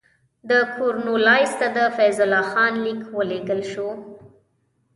د کورنوالیس ته د فیض الله خان لیک ولېږل شو.